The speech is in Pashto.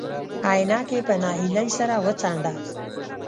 عينکي په نهيلۍ سر وڅنډه.